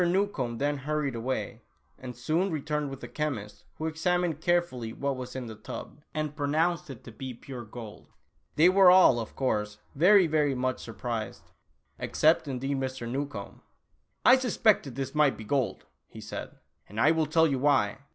Newcombe then hurried away, and soon returned with a chemist who examined carefully what was in the tub, and pronounced it to be pure gold ! They were all, of course, very, very much sur prised, except, indeed, Mr. Newcombe. " I suspected this might be gold," he said, " and I will tell you why.